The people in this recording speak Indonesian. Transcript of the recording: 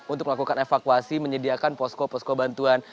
untuk melakukan evakuasi menyediakan posko posko bantuan